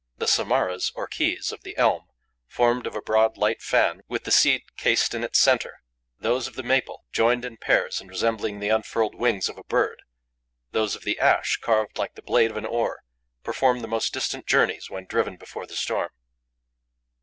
The samaras, or keys, of the elm, formed of a broad, light fan with the seed cased in its centre; those of the maple, joined in pairs and resembling the unfurled wings of a bird; those of the ash, carved like the blade of an oar, perform the most distant journeys when driven before the storm.